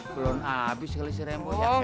belum abis kali si remboy